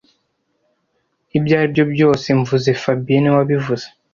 Ibyo aribyo byose mvuze fabien niwe wabivuze